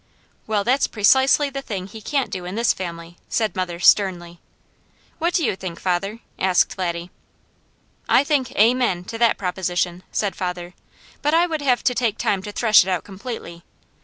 "Well, that's precisely the thing he can't do in this family," said mother sternly. "What do you think, father?" asked Laddie. "I think Amen! to that proposition," said father; "but I would have to take time to thresh it out completely.